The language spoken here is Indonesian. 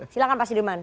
silahkan pak siduman